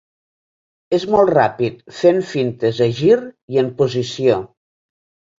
És molt ràpid fent fintes a gir i en posició.